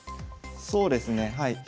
そうですねはい。